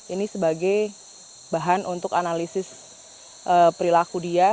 ini sebagai bahan untuk analisis perilaku dia